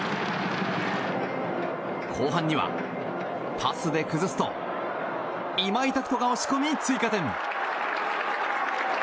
後半にはパスで崩すと今井拓人が押し込み、追加点！